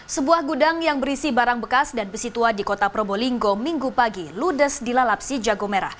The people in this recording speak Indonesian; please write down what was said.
sebuah gudang yang berisi barang bekas dan besi tua di kota probolinggo minggu pagi ludes dila lapsi jagomera